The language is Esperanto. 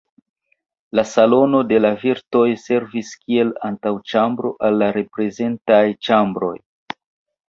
La Salono de la virtoj servis kiel antaŭĉambro al la reprezentaj ĉambroj.